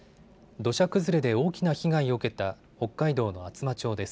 土砂崩れで大きな被害を受けた北海道の厚真町です。